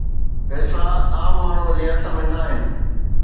فيصلا عام ماڻهوءَ جي هٿ ۾ ناهن.